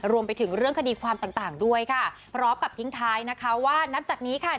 รวมไปถึงเรื่องคดีความต่างต่างด้วยค่ะพร้อมกับทิ้งท้ายนะคะว่านับจากนี้ค่ะ